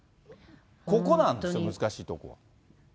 ここなんですね、難しいところは。